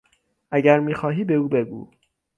اگر میخواهی به او بگو.